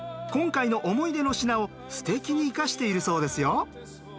今回の思い出の品をすてきに生かしているそうですよ。